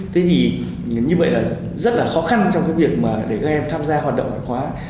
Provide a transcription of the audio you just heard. thế thì như vậy là rất là khó khăn trong cái việc mà để các em tham gia hoạt động ngoại khóa